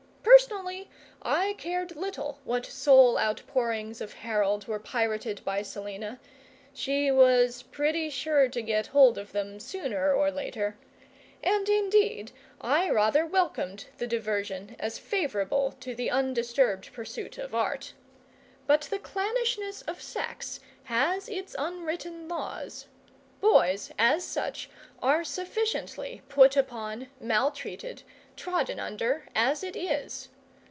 Personally I cared little what soul outpourings of Harold were pirated by Selina she was pretty sure to get hold of them sooner or later and indeed I rather welcomed the diversion as favourable to the undisturbed pursuit of Art. But the clannishness of sex has its unwritten laws. Boys, as such, are sufficiently put upon, maltreated, trodden under, as it is.